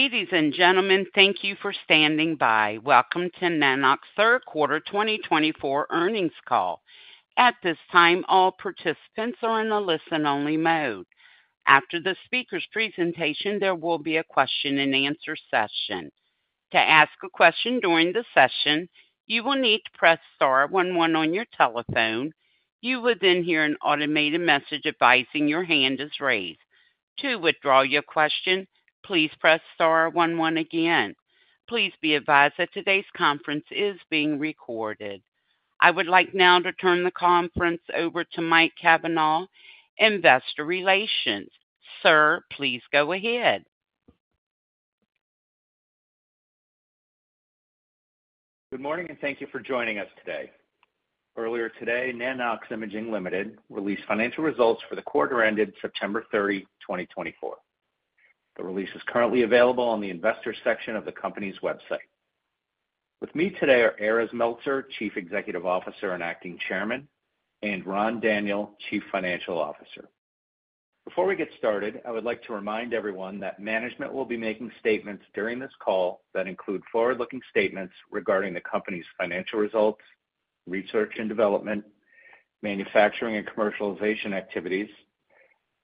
Ladies and gentlemen, thank you for standing by. Welcome to Nanox Third Quarter 2024 Earnings Call. At this time, all participants are in a listen-only mode. After the speaker's presentation, there will be a question-and-answer session. To ask a question during the session, you will need to press star one one on your telephone. You will then hear an automated message advising your hand is raised. To withdraw your question, please press star one one again. Please be advised that today's conference is being recorded. I would like now to turn the conference over to Mike Cavanaugh, Investor Relations. Sir, please go ahead. Good morning, and thank you for joining us today. Earlier today, Nanox Imaging Ltd. released financial results for the quarter ended September 30th, 2024. The release is currently available on the investor section of the company's website. With me today are Erez Meltzer, Chief Executive Officer and Acting Chairman, and Ran Daniel, Chief Financial Officer. Before we get started, I would like to remind everyone that management will be making statements during this call that include forward-looking statements regarding the company's financial results, research and development, manufacturing and commercialization activities,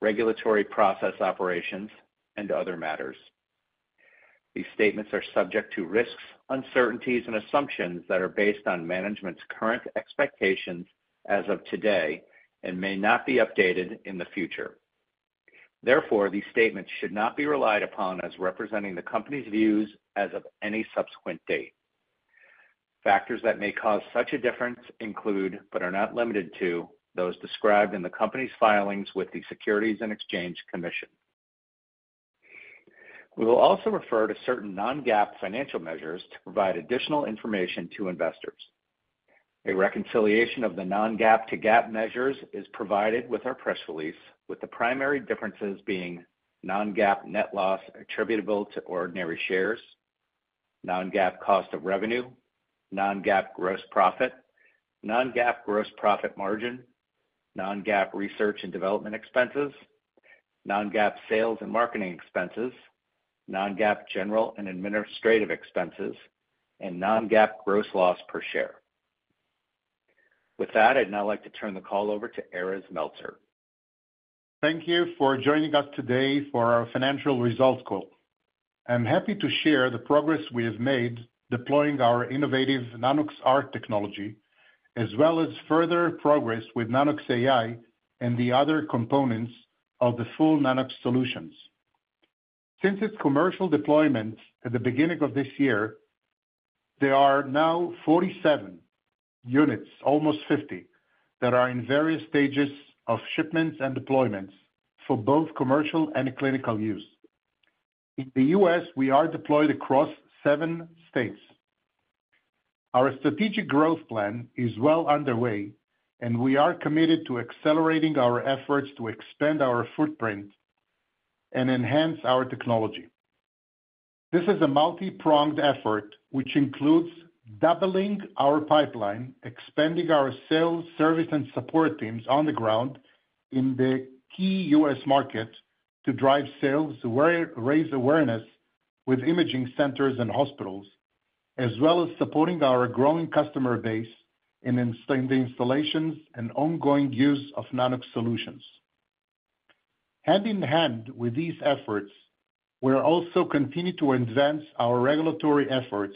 regulatory process operations, and other matters. These statements are subject to risks, uncertainties, and assumptions that are based on management's current expectations as of today and may not be updated in the future. Therefore, these statements should not be relied upon as representing the company's views as of any subsequent date. Factors that may cause such a difference include, but are not limited to, those described in the company's filings with the Securities and Exchange Commission. We will also refer to certain non-GAAP financial measures to provide additional information to investors. A reconciliation of the non-GAAP to GAAP measures is provided with our press release, with the primary differences being non-GAAP net loss attributable to ordinary shares, non-GAAP cost of revenue, non-GAAP gross profit, non-GAAP gross profit margin, non-GAAP research and development expenses, non-GAAP sales and marketing expenses, non-GAAP general and administrative expenses, and non-GAAP gross loss per share. With that, I'd now like to turn the call over to Erez Meltzer. Thank you for joining us today for our financial results call. I'm happy to share the progress we have made deploying our innovative Nanox.ARC technology, as well as further progress with Nanox.AI and the other components of the full Nanox solutions. Since its commercial deployment at the beginning of this year, there are now 47 units, almost 50, that are in various stages of shipments and deployments for both commercial and clinical use. In the U.S., we are deployed across seven states. Our strategic growth plan is well underway, and we are committed to accelerating our efforts to expand our footprint and enhance our technology. This is a multi-pronged effort, which includes doubling our pipeline, expanding our sales, service, and support teams on the ground in the key U.S. market to drive sales, raise awareness with imaging centers and hospitals, as well as supporting our growing customer base in the installations and ongoing use of Nanox solutions. Hand in hand with these efforts, we're also continuing to advance our regulatory efforts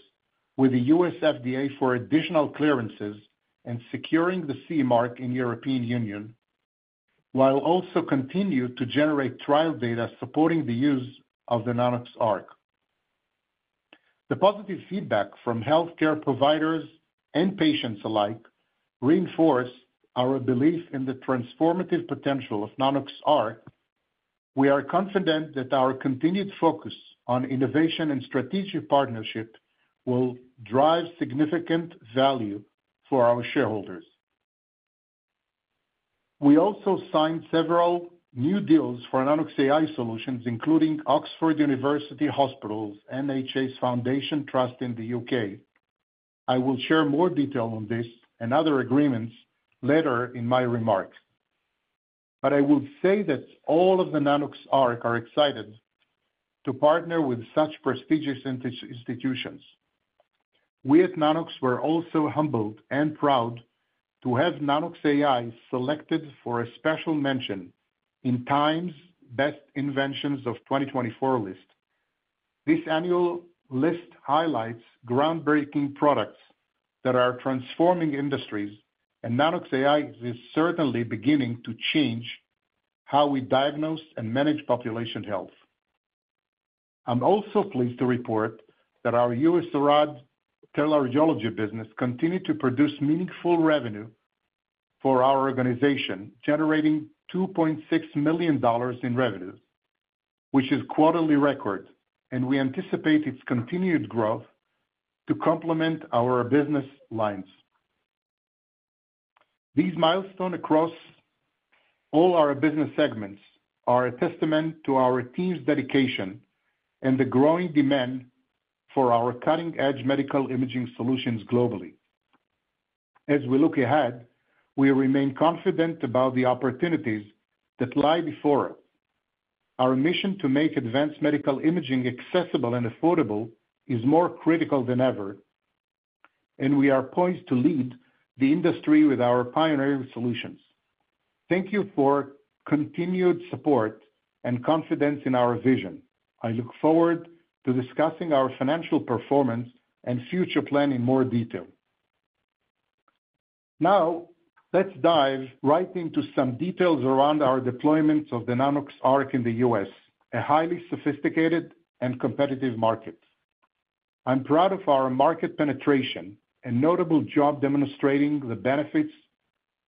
with the U.S. FDA for additional clearances and securing the CE mark in the European Union, while also continuing to generate trial data supporting the use of the Nanox.ARC. The positive feedback from healthcare providers and patients alike reinforces our belief in the transformative potential of Nanox.ARC. We are confident that our continued focus on innovation and strategic partnership will drive significant value for our shareholders. We also signed several new deals for Nanox.AI solutions, including Oxford University Hospitals NHS Foundation Trust in the UK. I will share more detail on this and other agreements later in my remarks. But I will say that all of the Nanox team are excited to partner with such prestigious institutions. We at Nanox were also humbled and proud to have Nanox.AI selected for a special mention in Time's Best Inventions of 2024 list. This annual list highlights groundbreaking products that are transforming industries, and Nanox.AI is certainly beginning to change how we diagnose and manage population health. I'm also pleased to report that our USARAD teleradiology business continues to produce meaningful revenue for our organization, generating $2.6 million in revenue, which is quarterly record, and we anticipate its continued growth to complement our business lines. These milestones across all our business segments are a testament to our team's dedication and the growing demand for our cutting-edge medical imaging solutions globally. As we look ahead, we remain confident about the opportunities that lie before us. Our mission to make advanced medical imaging accessible and affordable is more critical than ever, and we are poised to lead the industry with our pioneering solutions. Thank you for continued support and confidence in our vision. I look forward to discussing our financial performance and future plan in more detail. Now, let's dive right into some details around our deployments of the Nanox.ARC in the U.S., a highly sophisticated and competitive market. I'm proud of our market penetration and notable job demonstrating the benefits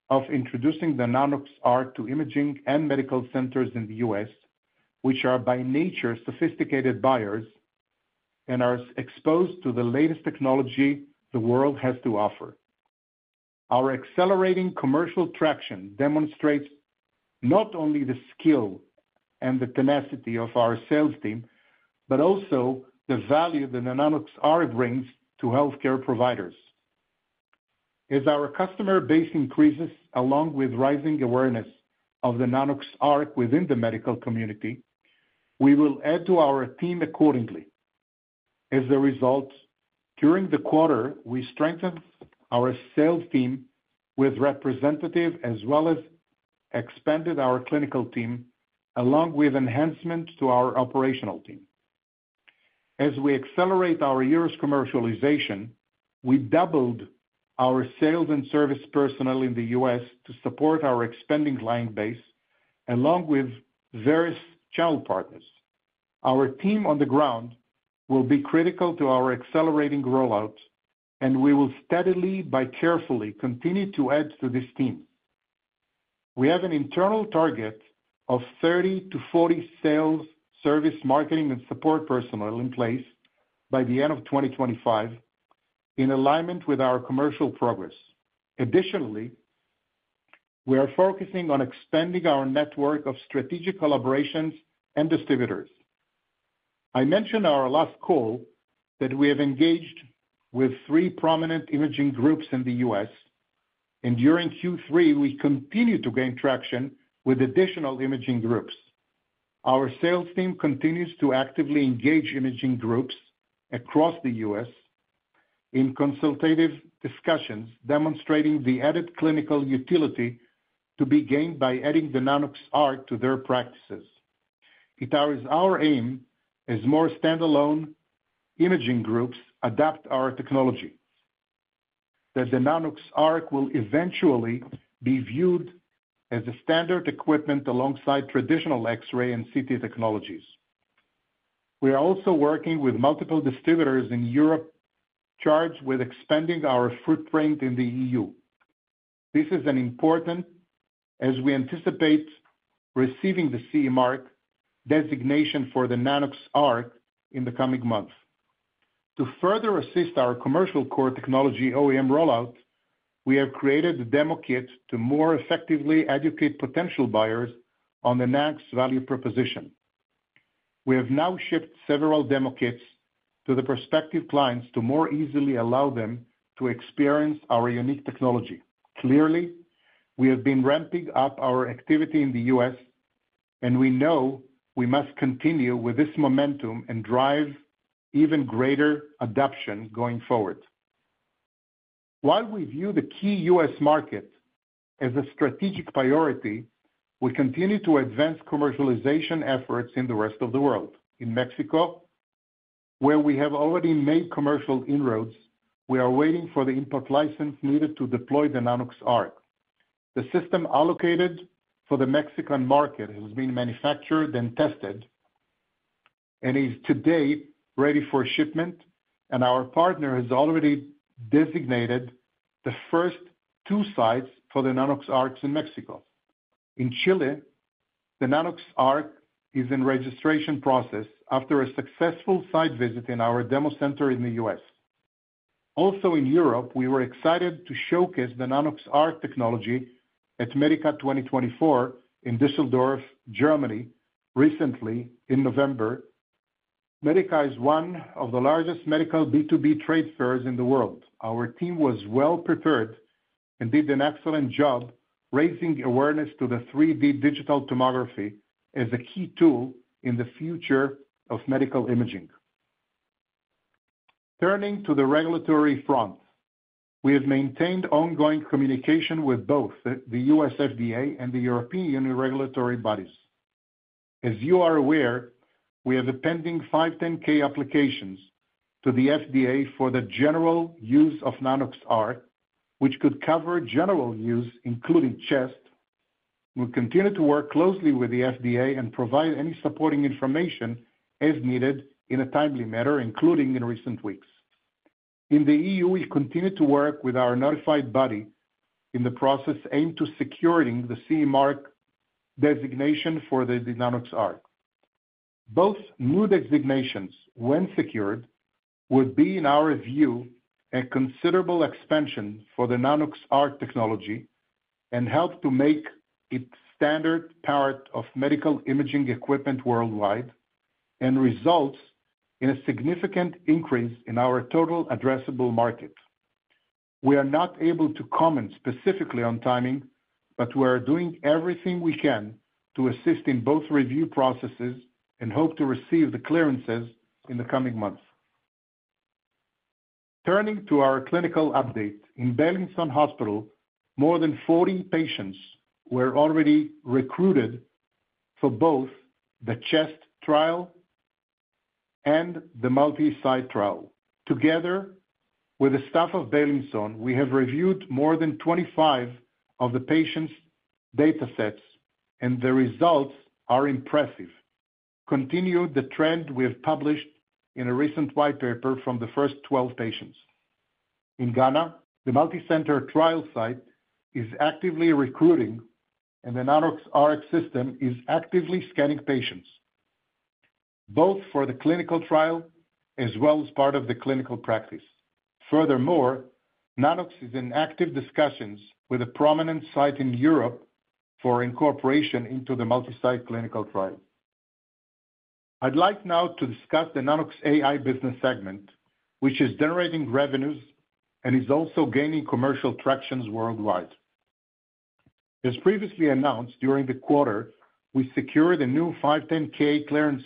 of introducing the Nanox.ARC to imaging and medical centers in the U.S., which are by nature sophisticated buyers and are exposed to the latest technology the world has to offer. Our accelerating commercial traction demonstrates not only the skill and the tenacity of our sales team, but also the value the Nanox.ARC brings to healthcare providers. As our customer base increases along with rising awareness of the Nanox.ARC within the medical community, we will add to our team accordingly. As a result, during the quarter, we strengthened our sales team with representatives as well as expanded our clinical team, along with enhancements to our operational team. As we accelerate our U.S. commercialization, we doubled our sales and service personnel in the U.S. to support our expanding client base along with various channel partners. Our team on the ground will be critical to our accelerating rollout, and we will steadily but carefully continue to add to this team. We have an internal target of 30-40 sales, service, marketing, and support personnel in place by the end of 2025 in alignment with our commercial progress. Additionally, we are focusing on expanding our network of strategic collaborations and distributors. I mentioned in our last call that we have engaged with three prominent imaging groups in the U.S., and during Q3, we continue to gain traction with additional imaging groups. Our sales team continues to actively engage imaging groups across the U.S. in consultative discussions, demonstrating the added clinical utility to be gained by adding the Nanox.ARC to their practices. It is our aim as more standalone imaging groups adapt our technology that the Nanox.ARC will eventually be viewed as a standard equipment alongside traditional X-ray and CT technologies. We are also working with multiple distributors in Europe charged with expanding our footprint in the EU. This is important as we anticipate receiving the CE mark designation for the Nanox.ARC in the coming months. To further assist our commercial core technology OEM rollout, we have created a demo kit to more effectively educate potential buyers on the Nanox value proposition. We have now shipped several demo kits to the prospective clients to more easily allow them to experience our unique technology. Clearly, we have been ramping up our activity in the U.S., and we know we must continue with this momentum and drive even greater adoption going forward. While we view the key U.S. market as a strategic priority, we continue to advance commercialization efforts in the rest of the world. In Mexico, where we have already made commercial inroads, we are waiting for the import license needed to deploy the Nanox.ARC. The system allocated for the Mexican market has been manufactured and tested and is today ready for shipment, and our partner has already designated the first two sites for the Nanox.ARC in Mexico. In Chile, the Nanox.ARC is in registration process after a successful site visit in our demo center in the U.S. Also, in Europe, we were excited to showcase the Nanox.ARC technology at Medica 2024 in Düsseldorf, Germany, recently in November. Medica is one of the largest medical B2B trade fairs in the world. Our team was well prepared and did an excellent job raising awareness to the 3D digital tomography as a key tool in the future of medical imaging. Turning to the regulatory front, we have maintained ongoing communication with both the U.S. FDA and the European Union regulatory bodies. As you are aware, we have a pending 510(k) application to the FDA for the general use of Nanox.ARC, which could cover general use, including chest. We'll continue to work closely with the FDA and provide any supporting information as needed in a timely manner, including in recent weeks. In the EU, we continue to work with our notified body in the process aimed to securing the CE mark designation for the Nanox.ARC. Both new designations, when secured, would be, in our view, a considerable expansion for the Nanox.ARC technology and help to make it a standard part of medical imaging equipment worldwide and results in a significant increase in our total addressable market. We are not able to comment specifically on timing, but we are doing everything we can to assist in both review processes and hope to receive the clearances in the coming months. Turning to our clinical update, in Beilinson Hospital, more than 40 patients were already recruited for both the chest trial and the multi-site trial. Together with the staff of Beilinson, we have reviewed more than 25 of the patients' data sets, and the results are impressive. Continue the trend we have published in a recent white paper from the first 12 patients. In Ghana, the multi-center trial site is actively recruiting, and the Nanox.ARC system is actively scanning patients, both for the clinical trial as well as part of the clinical practice. Furthermore, Nanox is in active discussions with a prominent site in Europe for incorporation into the multi-site clinical trial. I'd like now to discuss the Nanox.AI business segment, which is generating revenues and is also gaining commercial traction worldwide. As previously announced, during the quarter, we secured a new 510(k) clearance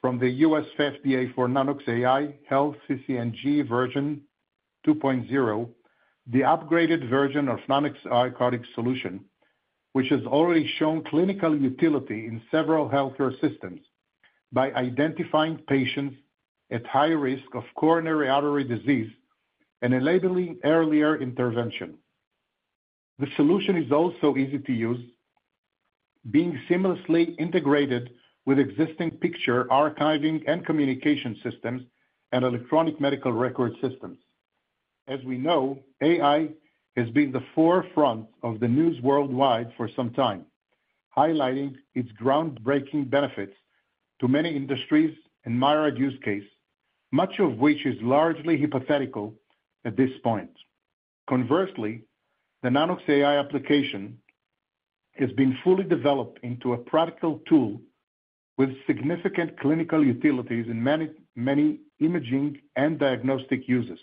from the U.S. FDA for Nanox.AI HealthCCSng version 2.0, the upgraded version of Nanox.AI cardiac solution, which has already shown clinical utility in several healthcare systems by identifying patients at high risk of coronary artery disease and enabling earlier intervention. The solution is also easy to use, being seamlessly integrated with existing picture archiving and communication systems and electronic medical record systems. As we know, AI has been the forefront of the news worldwide for some time, highlighting its groundbreaking benefits to many industries and myriad use cases, much of which is largely hypothetical at this point. Conversely, the Nanox.AI application has been fully developed into a practical tool with significant clinical utilities in many, many imaging and diagnostic uses.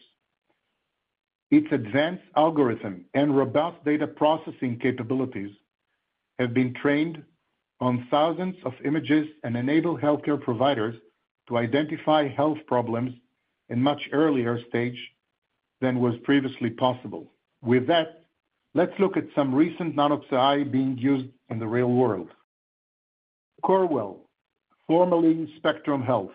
Its advanced algorithm and robust data processing capabilities have been trained on thousands of images and enable healthcare providers to identify health problems in a much earlier stage than was previously possible. With that, let's look at some recent Nanox.AI being used in the real world. Corewell Health, formerly Spectrum Health,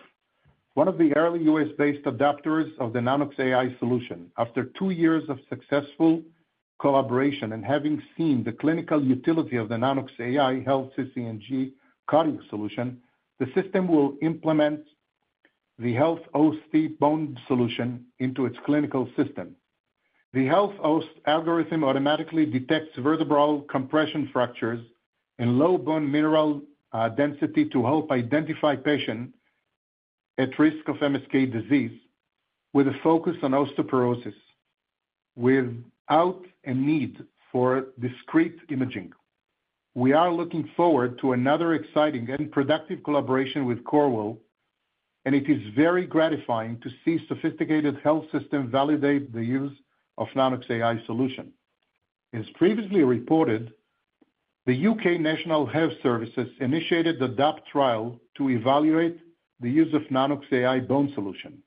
one of the early US-based adopters of the Nanox.AI solution. After two years of successful collaboration and having seen the clinical utility of the Nanox.AI HealthCCSng cardiac solution, the system will implement the HealthOST bone solution into its clinical system. The HealthOST algorithm automatically detects vertebral compression fractures and low bone mineral density to help identify patients at risk of MSK disease with a focus on osteoporosis, without a need for discrete imaging. We are looking forward to another exciting and productive collaboration with Corewell, and it is very gratifying to see sophisticated health systems validate the use of Nanox.AI solution. As previously reported, the UK National Health Service initiated the ADAPT trial to evaluate the use of Nanox.AI bone solution.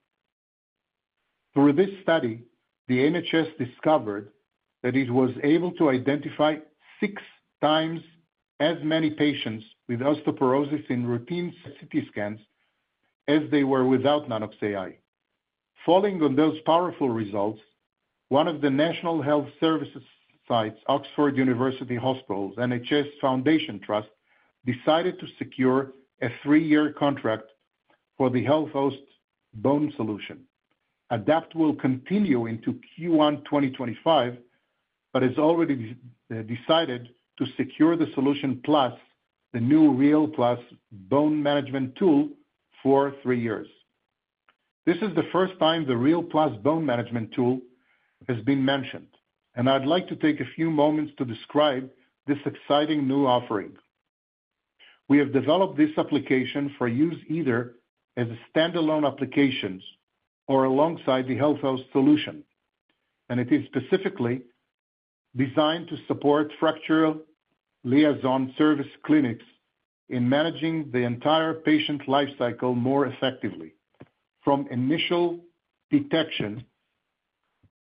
Through this study, the NHS discovered that it was able to identify six times as many patients with osteoporosis in routine CT scans as they were without Nanox.AI. Falling on those powerful results, one of the National Health Service sites, Oxford University Hospitals NHS Foundation Trust decided to secure a three-year contract for the HealthOST bone solution. ADAPT will continue into Q1 2025, but has already decided to secure the solution plus the new Rhea+ bone management tool for three years. This is the first time the Rhea+ bone management tool has been mentioned, and I'd like to take a few moments to describe this exciting new offering. We have developed this application for use either as a standalone application or alongside the HealthOST solution, and it is specifically designed to support fracture liaison service clinics in managing the entire patient lifecycle more effectively. From initial detection,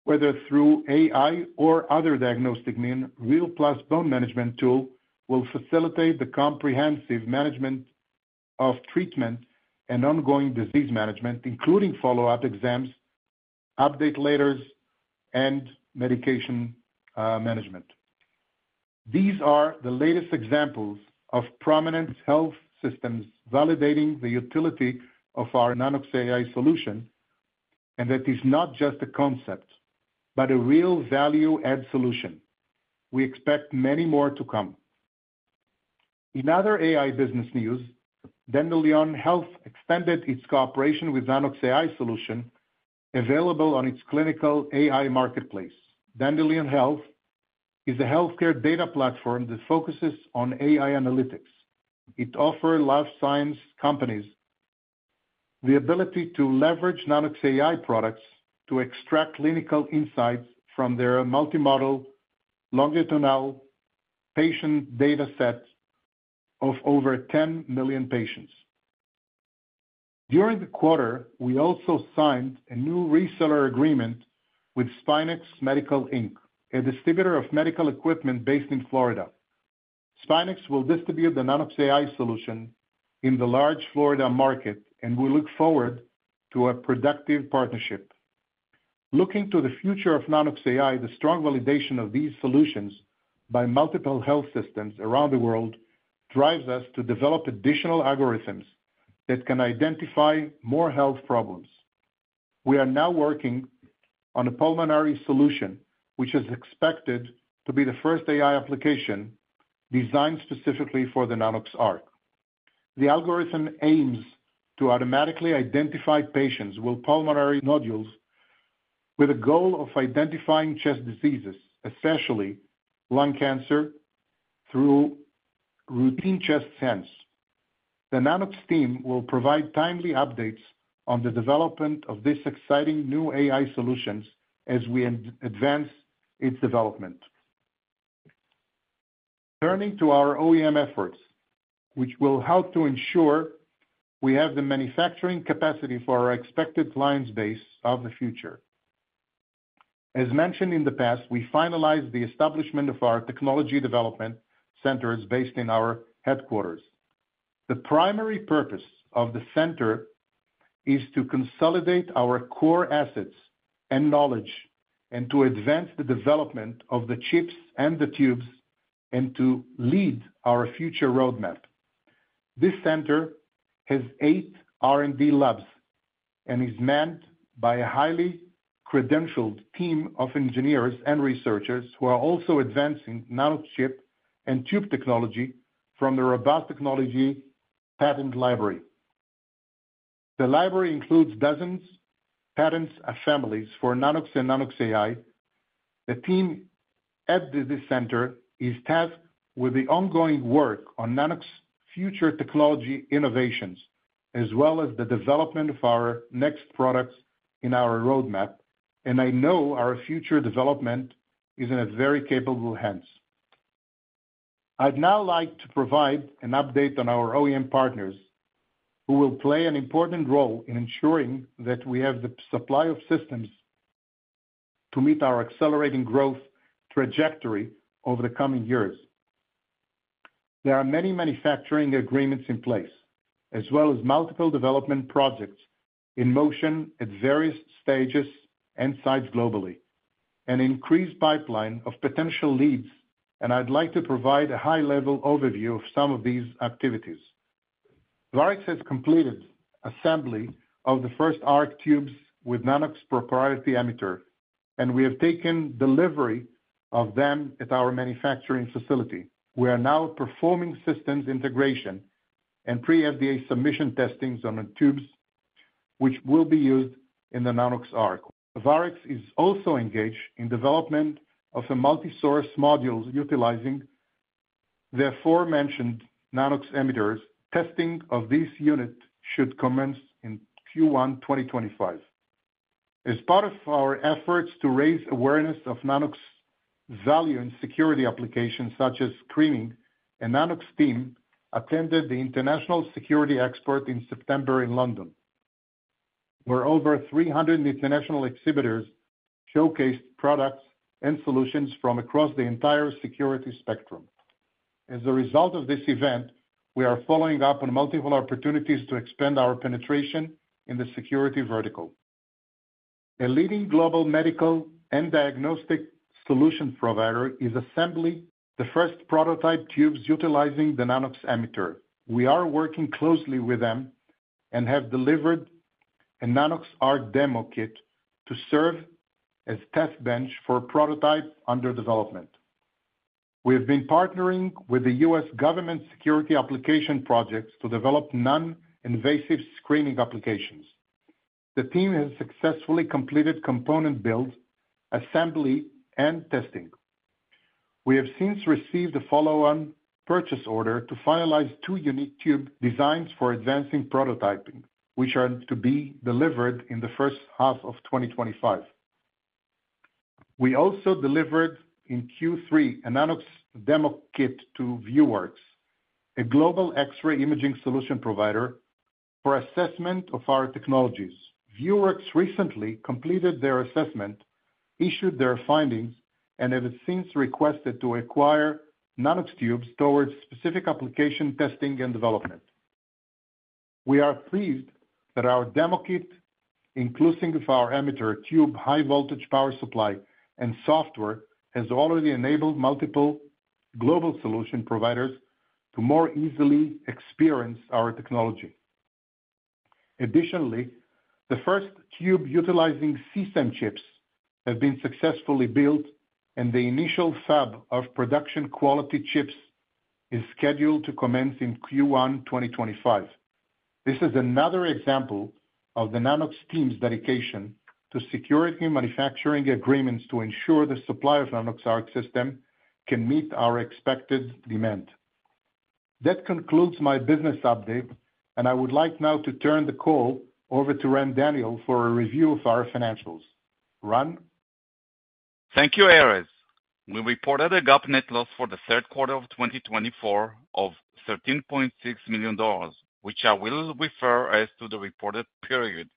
whether through AI or other diagnostic means, Rhea+ bone management tool will facilitate the comprehensive management of treatment and ongoing disease management, including follow-up exams, update letters, and medication management. These are the latest examples of prominent health systems validating the utility of our Nanox.AI solution, and that is not just a concept, but a real value-add solution. We expect many more to come. In other AI business news, Dandelion Health extended its cooperation with Nanox.AI solution available on its clinical AI marketplace. Dandelion Health is a healthcare data platform that focuses on AI analytics. It offers life science companies the ability to leverage Nanox.AI products to extract clinical insights from their multi-model longitudinal patient data set of over 10 million patients. During the quarter, we also signed a new reseller agreement with SpineX Medical Inc., a distributor of medical equipment based in Florida. SpineX will distribute the Nanox.AI solution in the large Florida market, and we look forward to a productive partnership. Looking to the future of Nanox.AI, the strong validation of these solutions by multiple health systems around the world drives us to develop additional algorithms that can identify more health problems. We are now working on a pulmonary solution, which is expected to be the first AI application designed specifically for the Nanox.ARC. The algorithm aims to automatically identify patients with pulmonary nodules with a goal of identifying chest diseases, especially lung cancer, through routine chest scans. The Nanox team will provide timely updates on the development of this exciting new AI solutions as we advance its development. Turning to our OEM efforts, which will help to ensure we have the manufacturing capacity for our expected client base of the future. As mentioned in the past, we finalized the establishment of our technology development centers based in our headquarters. The primary purpose of the center is to consolidate our core assets and knowledge and to advance the development of the chips and the tubes and to lead our future roadmap. This center has eight R&D labs and is manned by a highly credentialed team of engineers and researchers who are also advancing nanochip and tube technology from the robust technology patent library. The library includes dozens of patents and families for Nanox and Nanox.AI. The team at this center is tasked with the ongoing work on Nanox future technology innovations, as well as the development of our next products in our roadmap, and I know our future development is in a very capable hands. I'd now like to provide an update on our OEM partners who will play an important role in ensuring that we have the supply of systems to meet our accelerating growth trajectory over the coming years. There are many manufacturing agreements in place, as well as multiple development projects in motion at various stages and sites globally, an increased pipeline of potential leads, and I'd like to provide a high-level overview of some of these activities. Ray has completed assembly of the first Arc tubes with Nanox proprietary emitter, and we have taken delivery of them at our manufacturing facility. We are now performing systems integration and pre-FDA submission testings on the tubes, which will be used in the Nanox.ARC. Ray is also engaged in development of a multi-source module utilizing the aforementioned Nanox emitters. Testing of this unit should commence in Q1 2025. As part of our efforts to raise awareness of Nanox value in security applications such as screening, a Nanox team attended the International Security Expo in September in London, where over 300 international exhibitors showcased products and solutions from across the entire security spectrum. As a result of this event, we are following up on multiple opportunities to expand our penetration in the security vertical. A leading global medical and diagnostic solution provider is assembling the first prototype tubes utilizing the Nanox emitter. We are working closely with them and have delivered a Nanox.ARC demo kit to serve as a test bench for prototype under development. We have been partnering with the U.S. government security application projects to develop non-invasive screening applications. The team has successfully completed component build, assembly, and testing. We have since received a follow-on purchase order to finalize two unique tube designs for advancing prototyping, which are to be delivered in the first half of 2025. We also delivered in Q3 a Nanox demo kit to Vieworks, a global X-ray imaging solution provider for assessment of our technologies. Vieworks recently completed their assessment, issued their findings, and have since requested to acquire Nanox tubes towards specific application testing and development. We are pleased that our demo kit, including our emitter, tube, high-voltage power supply, and software, has already enabled multiple global solution providers to more easily experience our technology. Additionally, the first tube utilizing CSEM chips have been successfully built, and the initial fab of production quality chips is scheduled to commence in Q1 2025. This is another example of the Nanox team's dedication to securing manufacturing agreements to ensure the supply of Nanox.ARC system can meet our expected demand. That concludes my business update, and I would like now to turn the call over to Ran Daniel for a review of our financials. Ran? Thank you, Erez. We reported a GAAP net loss for the third quarter of 2024 of $13.6 million, which I will refer as to the reported period,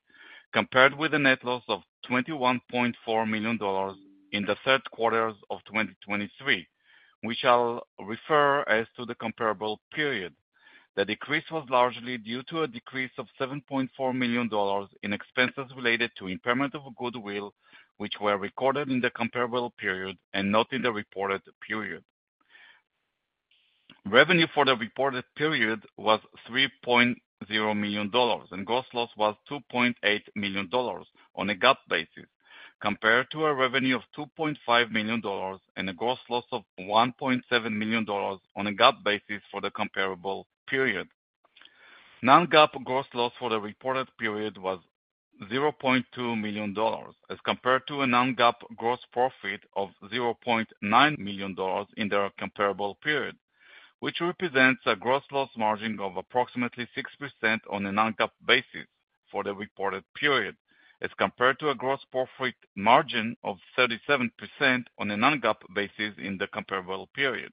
compared with a net loss of $21.4 million in the third quarter of 2023, which I'll refer as to the comparable period. The decrease was largely due to a decrease of $7.4 million in expenses related to impairment of goodwill, which were recorded in the comparable period and not in the reported period. Revenue for the reported period was $3.0 million, and gross loss was $2.8 million on a GAAP basis, compared to a revenue of $2.5 million and a gross loss of $1.7 million on a GAAP basis for the comparable period. Non-GAAP gross loss for the reported period was $0.2 million, as compared to a non-GAAP gross profit of $0.9 million in their comparable period, which represents a gross loss margin of approximately 6% on a non-GAAP basis for the reported period, as compared to a gross profit margin of 37% on a non-GAAP basis in the comparable period.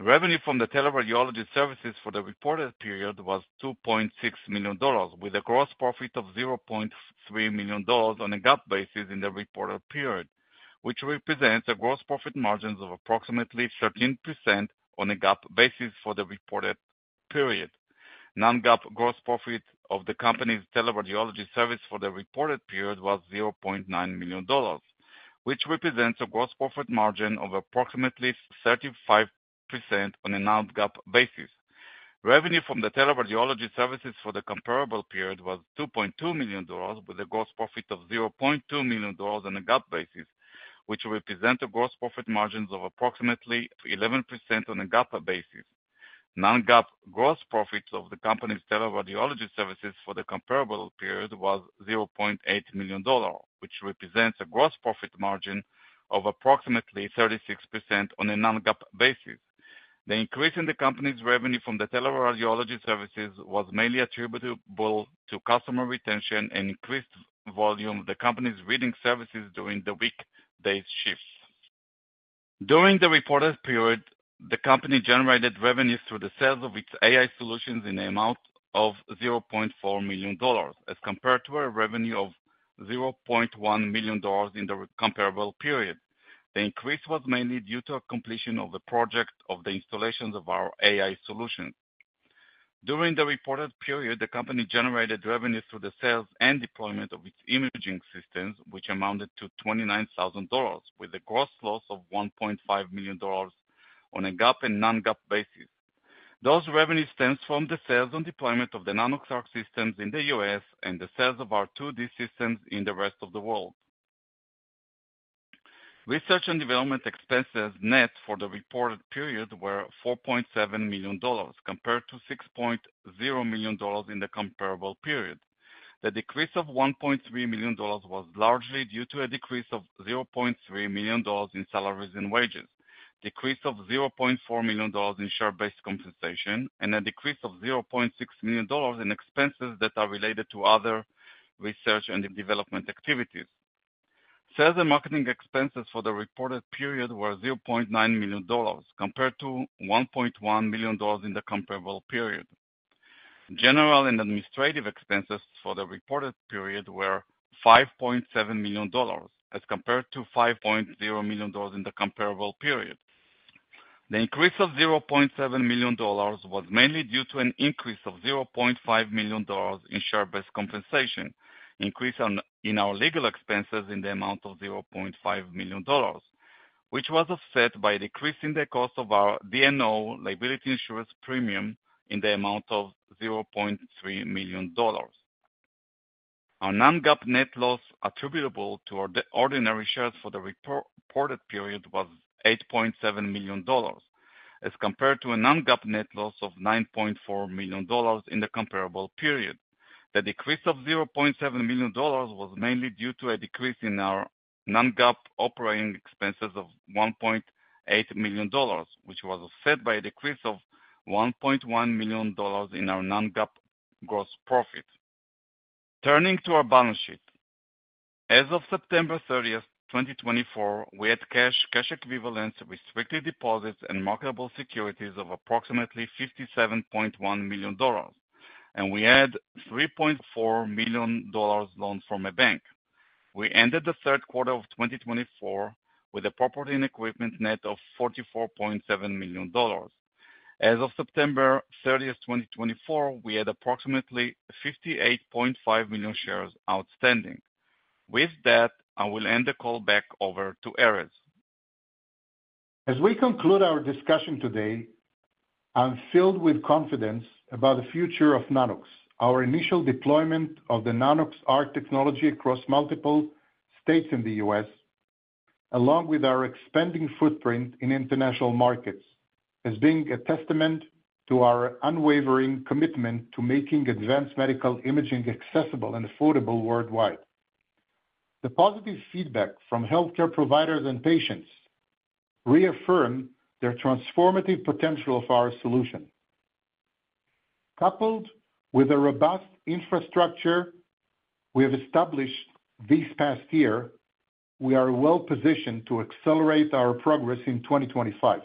Revenue from the teleradiology services for the reported period was $2.6 million, with a gross profit of $0.3 million on a GAAP basis in the reported period, which represents a gross profit margin of approximately 13% on a GAAP basis for the reported period. Non-GAAP gross profit of the company's teleradiology service for the reported period was $0.9 million, which represents a gross profit margin of approximately 35% on a non-GAAP basis. Revenue from the teleradiology services for the comparable period was $2.2 million, with a gross profit of $0.2 million on a GAAP basis, which represents a gross profit margin of approximately 11% on a GAAP basis. Non-GAAP gross profit of the company's teleradiology services for the comparable period was $0.8 million, which represents a gross profit margin of approximately 36% on a non-GAAP basis. The increase in the company's revenue from the teleradiology services was mainly attributable to customer retention and increased volume of the company's reading services during the weekday shifts. During the reported period, the company generated revenues through the sales of its AI solutions in the amount of $0.4 million, as compared to a revenue of $0.1 million in the comparable period. The increase was mainly due to the completion of the project of the installation of our AI solutions. During the reported period, the company generated revenues through the sales and deployment of its imaging systems, which amounted to $29,000, with a gross loss of $1.5 million on a GAAP and non-GAAP basis. Those revenues stem from the sales and deployment of the Nanox.ARC systems in the U.S. and the sales of our 2D systems in the rest of the world. Research and development expenses net for the reported period were $4.7 million, compared to $6.0 million in the comparable period. The decrease of $1.3 million was largely due to a decrease of $0.3 million in salaries and wages, a decrease of $0.4 million in share-based compensation, and a decrease of $0.6 million in expenses that are related to other research and development activities. Sales and marketing expenses for the reported period were $0.9 million, compared to $1.1 million in the comparable period. General and administrative expenses for the reported period were $5.7 million, as compared to $5.0 million in the comparable period. The increase of $0.7 million was mainly due to an increase of $0.5 million in share-based compensation, an increase in our legal expenses in the amount of $0.5 million, which was offset by a decrease in the cost of our D&O liability insurance premium in the amount of $0.3 million. Our non-GAAP net loss attributable to ordinary shares for the reported period was $8.7 million, as compared to a non-GAAP net loss of $9.4 million in the comparable period. The decrease of $0.7 million was mainly due to a decrease in our non-GAAP operating expenses of $1.8 million, which was offset by a decrease of $1.1 million in our non-GAAP gross profit. Turning to our balance sheet, as of September 30th, 2024, we had cash, cash equivalents, restricted deposits, and marketable securities of approximately $57.1 million, and we had $3.4 million loans from a bank. We ended the third quarter of 2024 with a property and equipment net of $44.7 million. As of September 30th, 2024, we had approximately $58.5 million shares outstanding. With that, I will end the call back over to Erez. As we conclude our discussion today, I'm filled with confidence about the future of Nano-X, our initial deployment of the Nanox.ARC technology across multiple states in the U.S., along with our expanding footprint in international markets, as being a testament to our unwavering commitment to making advanced medical imaging accessible and affordable worldwide. The positive feedback from healthcare providers and patients reaffirms the transformative potential of our solution. Coupled with the robust infrastructure we have established this past year, we are well-positioned to accelerate our progress in 2025.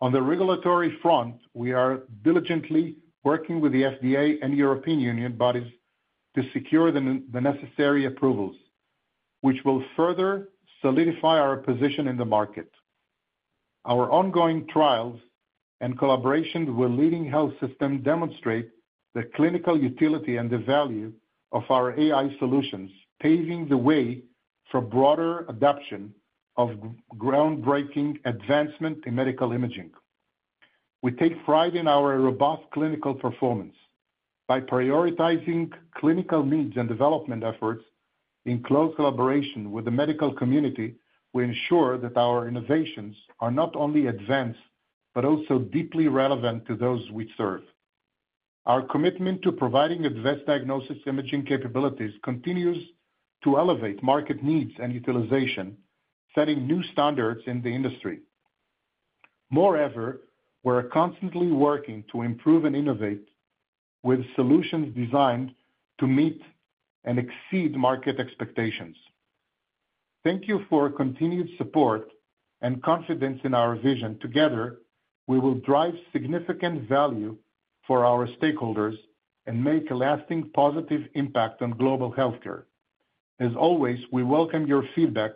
On the regulatory front, we are diligently working with the FDA and European Union bodies to secure the necessary approvals, which will further solidify our position in the market. Our ongoing trials and collaborations with leading health systems demonstrate the clinical utility and the value of our AI solutions, paving the way for broader adoption of groundbreaking advancements in medical imaging. We take pride in our robust clinical performance. By prioritizing clinical needs and development efforts in close collaboration with the medical community, we ensure that our innovations are not only advanced but also deeply relevant to those we serve. Our commitment to providing advanced diagnosis imaging capabilities continues to elevate market needs and utilization, setting new standards in the industry. Moreover, we are constantly working to improve and innovate with solutions designed to meet and exceed market expectations. Thank you for continued support and confidence in our vision. Together, we will drive significant value for our stakeholders and make a lasting positive impact on global healthcare. As always, we welcome your feedback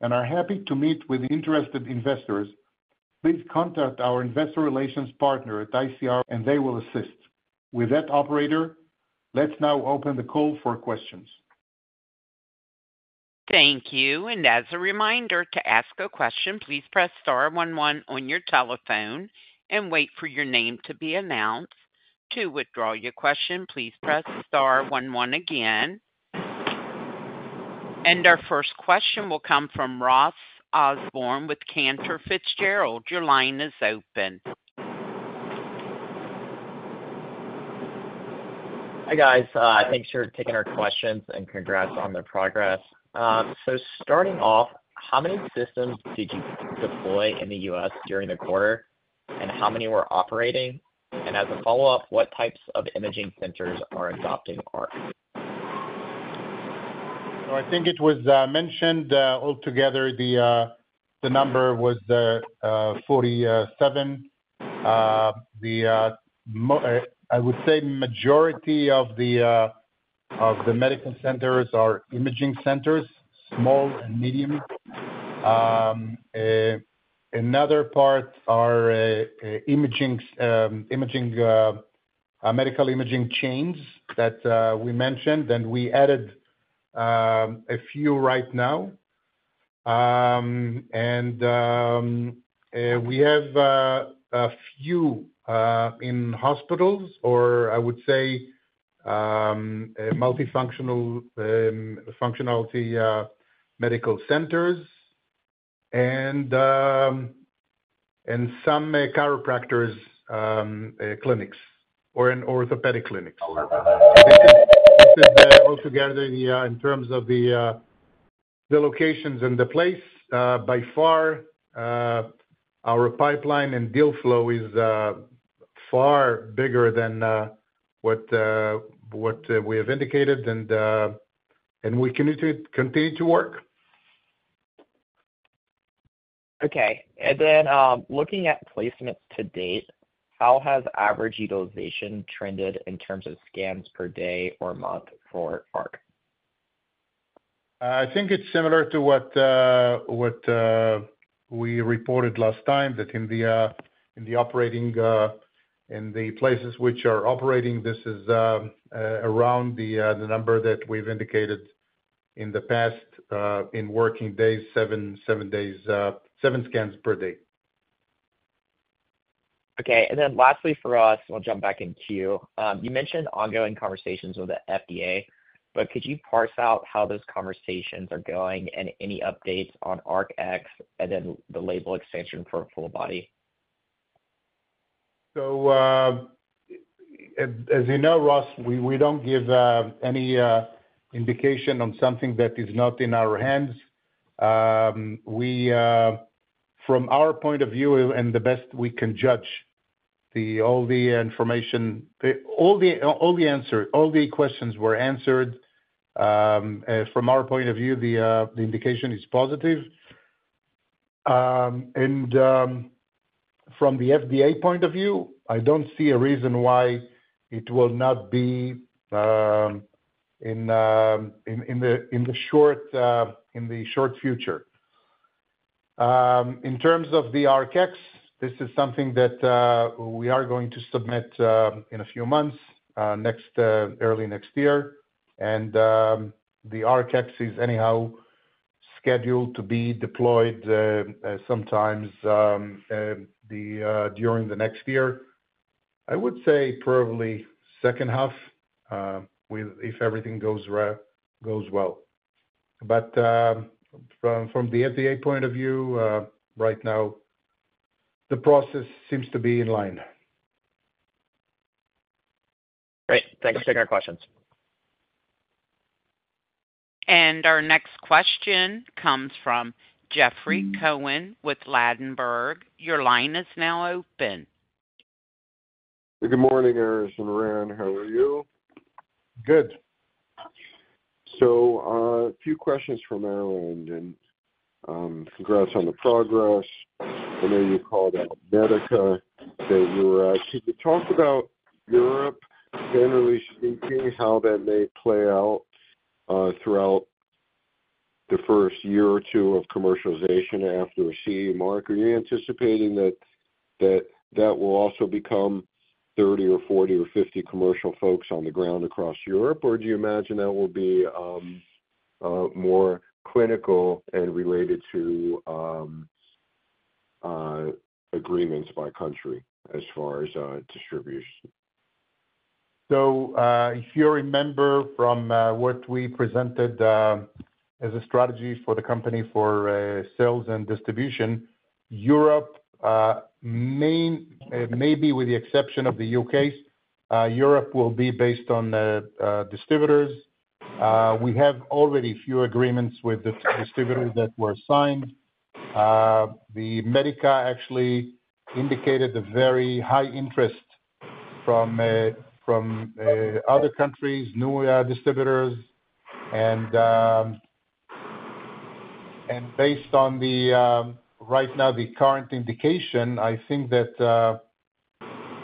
and are happy to meet with interested investors. Please contact our investor relations partner at ICR, and they will assist. With that, Operator, let's now open the call for questions. Thank you. As a reminder, to ask a question, please press star one one on your telephone and wait for your name to be announced. To withdraw your question, please press star one one again. Our first question will come from Ross Osborn with Cantor Fitzgerald. Your line is open. Hi guys. Thanks for taking our questions and congrats on the progress. Starting off, how many systems did you deploy in the US during the quarter, and how many were operating? As a follow-up, what types of imaging centers are adopting ARC? I think it was mentioned altogether, the number was 47. I would say the majority of the medical centers are imaging centers, small and medium. Another part are imaging medical imaging chains that we mentioned, and we added a few right now. We have a few in hospitals, or I would say multifunctional medical centers, and some chiropractors' clinics or orthopedic clinics. This is altogether in terms of the locations and the place. By far, our pipeline and deal flow is far bigger than what we have indicated, and we continue to work. Okay. Looking at placements to date, how has average utilization trended in terms of scans per day or month for ARC? I think it's similar to what we reported last time, that in the operating places which are operating, this is around the number that we've indicated in the past in working days, seven scans per day. Okay. Lastly, for us, we'll jump back in queue. You mentioned ongoing conversations with the FDA, but could you parse out how those conversations are going and any updates on Nanox.ARC and then the label extension for Full Body? So as you know, Ross, we don't give any indication on something that is not in our hands. From our point of view, and the best we can judge, all the information, all the answers, all the questions were answered. From our point of view, the indication is positive, and from the FDA point of view, I don't see a reason why it will not be in the short future. In terms of the Nanox.ARC, this is something that we are going to submit in a few months, early next year, and the Nanox.ARC is anyhow scheduled to be deployed sometime during the next year, I would say probably second half, if everything goes well. But from the FDA point of view, right now, the process seems to be in line. Great. Thanks for taking our questions. And our next question comes from Jeffrey Cohen with Ladenburg. Your line is now open. Good morning, Erez and Ran. How are you? Good. So a few questions from our end. And congrats on the progress. I know you called out Medica. You were asking to talk about Europe, generally speaking, how that may play out throughout the first year or two of commercialization after a CE mark. Are you anticipating that that will also become 30 or 40 or 50 commercial folks on the ground across Europe, or do you imagine that will be more clinical and related to agreements by country as far as distribution? So if you remember from what we presented as a strategy for the company for sales and distribution, Europe, maybe with the exception of the UK, Europe will be based on distributors. We have already a few agreements with the distributors that were signed. The Medica actually indicated a very high interest from other countries, new distributors. And based on right now, the current indication, I think that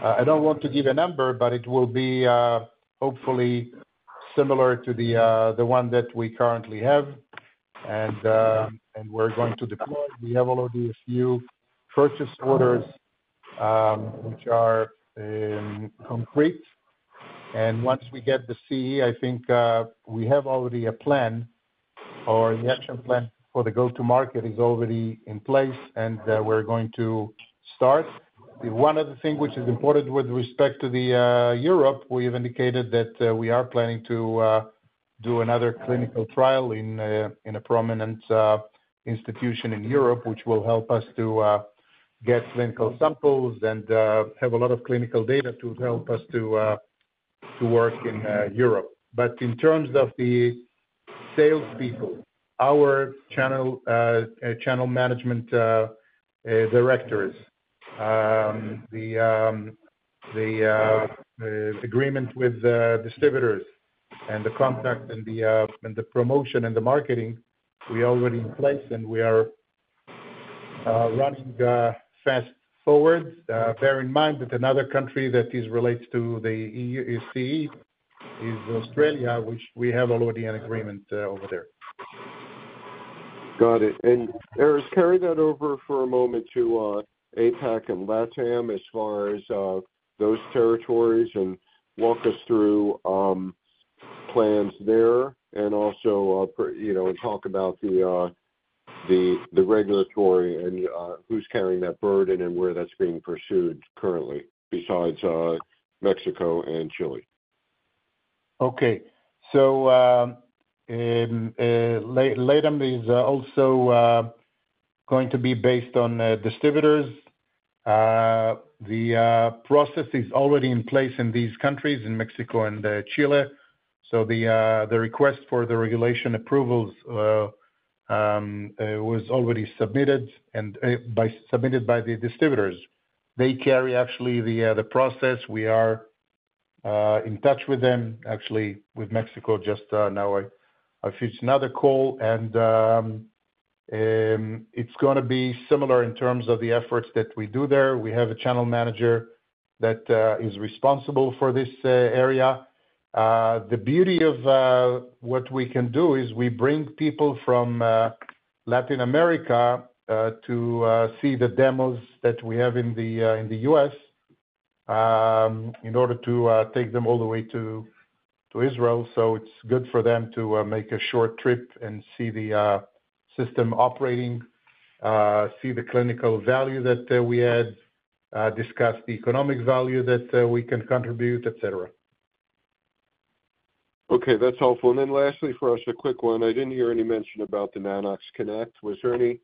I don't want to give a number, but it will be hopefully similar to the one that we currently have. And we're going to deploy. We have already a few purchase orders which are concrete. And once we get the CE, I think we have already a plan or the action plan for the go-to-market is already in place, and we're going to start. One other thing which is important with respect to Europe, we have indicated that we are planning to do another clinical trial in a prominent institution in Europe, which will help us to get clinical samples and have a lot of clinical data to help us to work in Europe. But in terms of the salespeople, our channel management directors, the agreement with distributors, and the contract and the promotion and the marketing, we already in place, and we are running fast forward. Bear in mind that another country that relates to the EU is, see, Australia, which we have already an agreement over there. Got it. Erez, carry that over for a moment to APAC and LATAM as far as those territories and walk us through plans there and also talk about the regulatory and who's carrying that burden and where that's being pursued currently besides Mexico and Chile. Okay. LATAM is also going to be based on distributors. The process is already in place in these countries, in Mexico and Chile. The request for the regulatory approvals was already submitted by distributors. They carry actually the process. We are in touch with them, actually, with Mexico just now. I've reached another call, and it's going to be similar in terms of the efforts that we do there. We have a channel manager that is responsible for this area. The beauty of what we can do is we bring people from Latin America to see the demos that we have in the US in order to take them all the way to Israel. So it's good for them to make a short trip and see the system operating, see the clinical value that we add, discuss the economic value that we can contribute, etc. Okay. That's helpful. And then lastly, for us, a quick one. I didn't hear any mention about the Nanox.CONNECT. Was there any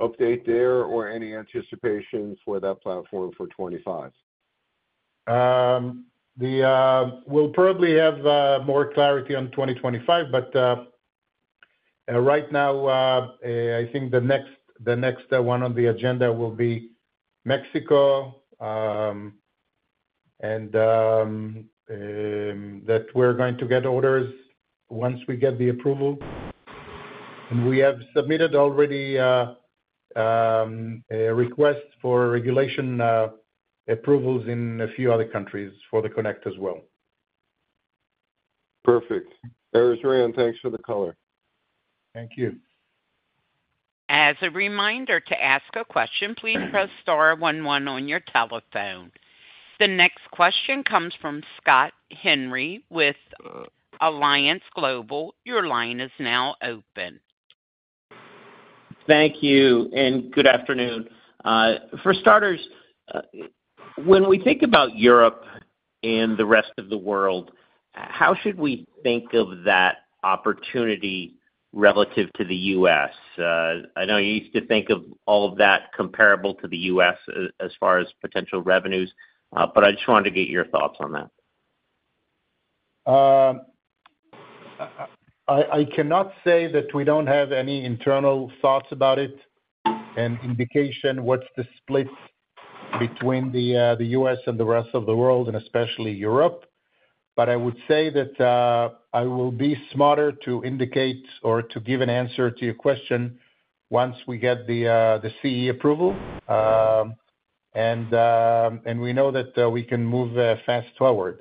update there or any anticipation for that platform for 2025? We'll probably have more clarity on 2025, but right now, I think the next one on the agenda will be Mexico and that we're going to get orders once we get the approval. We have submitted already a request for regulatory approvals in a few other countries for the Connect as well. Perfect. Erez, Ran, thanks for the color. Thank you. As a reminder to ask a question, please press star 11 on your telephone. The next question comes from Scott Henry with Alliance Global Partners. Your line is now open. Thank you. And good afternoon. For starters, when we think about Europe and the rest of the world, how should we think of that opportunity relative to the U.S.? I know you used to think of all of that comparable to the U.S. as far as potential revenues, but I just wanted to get your thoughts on that. I cannot say that we don't have any internal thoughts about it and indication what's the split between the U.S. and the rest of the world, and especially Europe. But I would say that I will be smarter to indicate or to give an answer to your question once we get the CE approval. And we know that we can move fast forward.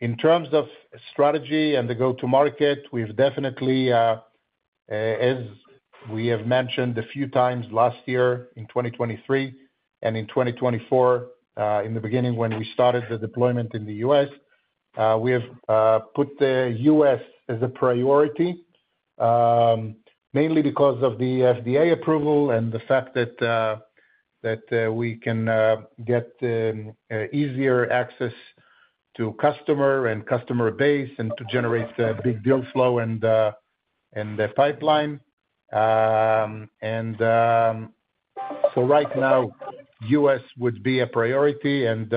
In terms of strategy and the go-to-market, we've definitely, as we have mentioned a few times last year in 2023 and in 2024, in the beginning when we started the deployment in the U.S., we have put the U.S. as a priority, mainly because of the FDA approval and the fact that we can get easier access to customer and customer base and to generate big deal flow and pipeline. And so right now, U.S. would be a priority, and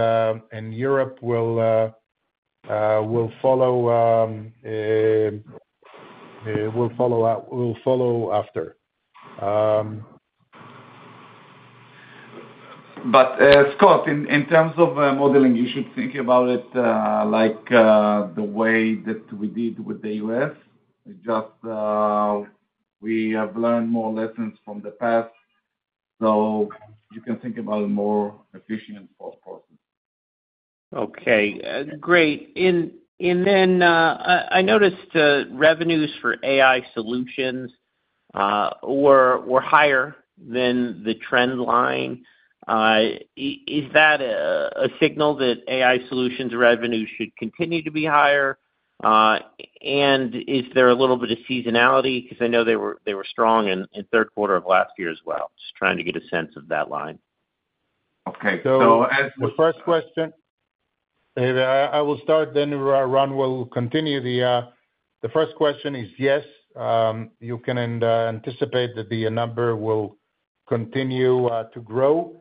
Europe will follow after. But Scott, in terms of modeling, you should think about it like the way that we did with the U.S. Just we have learned more lessons from the past. So you can think about a more efficient thought process. Okay. Great. And then I noticed revenues for AI solutions were higher than the trend line. Is that a signal that AI solutions revenues should continue to be higher? And is there a little bit of seasonality? Because I know they were strong in the third quarter of last year as well. Just trying to get a sense of that line. Okay. So the first question, I will start, then Ran will continue. The first question is yes. You can anticipate that the number will continue to grow.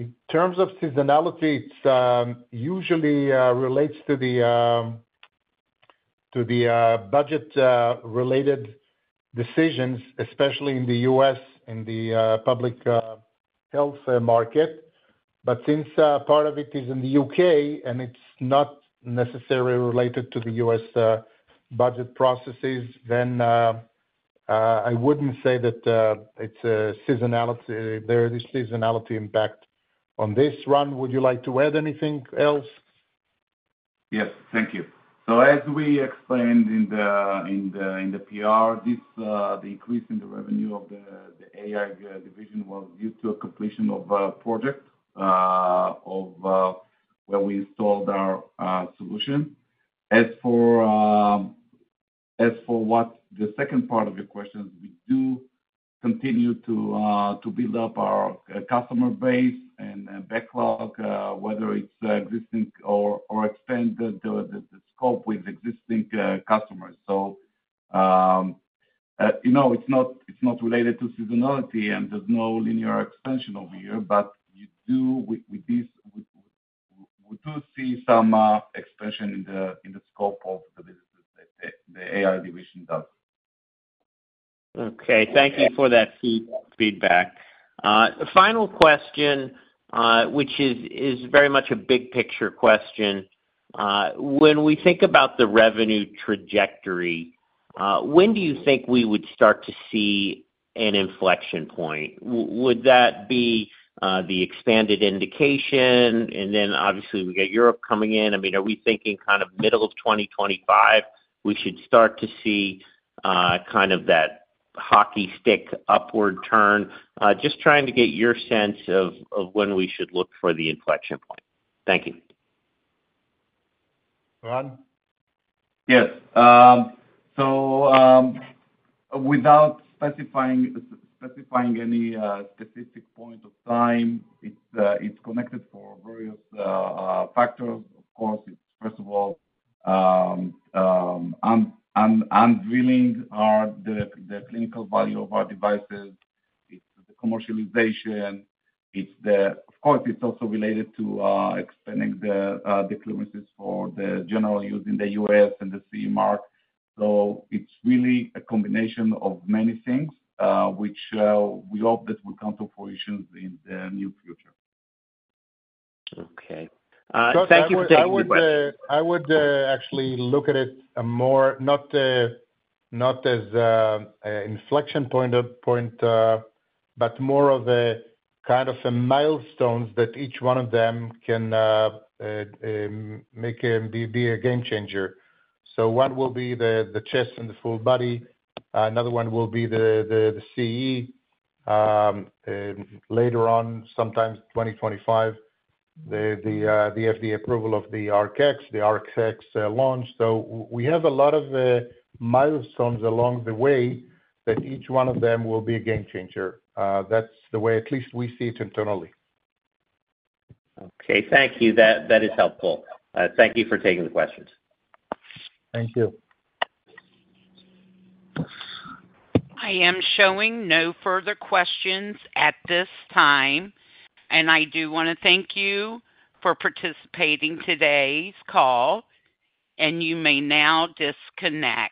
In terms of seasonality, it usually relates to the budget-related decisions, especially in the U.S., in the public health market. But since part of it is in the U.K. and it's not necessarily related to the U.S. budget processes, then I wouldn't say that there is a seasonality impact on this. Ran, would you like to add anything else? Yes. Thank you. So as we explained in the PR, the increase in the revenue of the AI division was due to a completion of a project where we installed our solution. As for what the second part of your questions, we do continue to build up our customer base and backlog, whether it's existing or expand the scope with existing customers. So it's not related to seasonality, and there's no linear expansion over here, but we do see some expansion in the scope of the business that the AI division does. Okay. Thank you for that feedback. Final question, which is very much a big picture question. When we think about the revenue trajectory, when do you think we would start to see an inflection point? Would that be the expanded indication? And then obviously, we get Europe coming in. I mean, are we thinking kind of middle of 2025 we should start to see kind of that hockey stick upward turn? Just trying to get your sense of when we should look for the inflection point. Thank you. Ran? Yes. So without specifying any specific point of time, it's contingent on various factors. Of course, it's first of all, proving the clinical value of our devices. It's the commercialization. Of course, it's also related to expanding the clearances for the general use in the U.S. and the CE mark. So it's really a combination of many things, which we hope that will come to fruition in the near future. Okay. Thank you for taking the time. I would actually look at it more not as inflection point, but more of kind of milestones that each one of them can make and be a game changer. So one will be the chest and the full body. Another one will be the CE. Later on, sometime 2025, the FDA approval of the Nanox.ARC, the Nanox.ARC launch. So we have a lot of milestones along the way that each one of them will be a game changer. That's the way at least we see it internally. Okay. Thank you. That is helpful. Thank you for taking the questions. Thank you. I am showing no further questions at this time. And I do want to thank you for participating in today's call. And you may now disconnect.